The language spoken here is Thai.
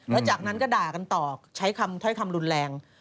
แล้วจากนั้นก็ด่ากันต่อใช้คำถ้อยคำรุนแรง